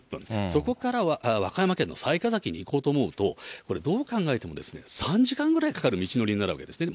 そこからは和歌山県の雑賀崎に行こうと思うと、これどう考えても、３時間ぐらいかかる道のりになるわけですね。